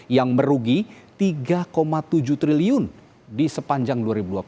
yang merugi tiga tujuh triliun di sepanjang dua ribu dua puluh